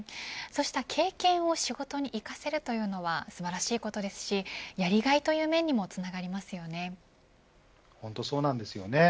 そうした経験を仕事に生かせるというのは素晴らしいことですしやりがいという面にも本当、そうなんですよね。